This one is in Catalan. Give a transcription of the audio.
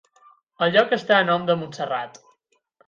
El lloc està a nom de Montserrat.